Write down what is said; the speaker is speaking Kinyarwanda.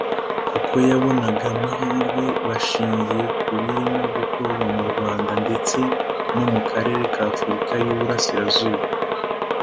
kuko yabonaga amahirwe bashingiye ku birimo gukorwa mu Rwanda ndetse no mu karere k’Afurika y’Uburasirazuba